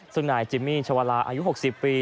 ซึ่งนายจิมมี่ชาวาลาอายุ๖๐ปี